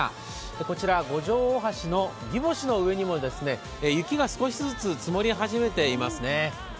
こちら五条大橋のぎぼしの上にも雪が少しずつ積もり始めていますね。